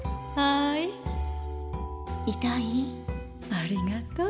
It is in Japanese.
ありがとう。